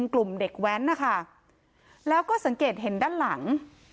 กลุ่มเด็กแว้นนะคะแล้วก็สังเกตเห็นด้านหลัง